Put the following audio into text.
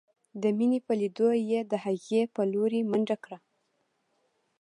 د مينې په ليدو يې د هغې په لورې منډه کړه.